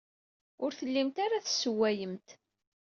Ur tellimt ara tessewwayemt.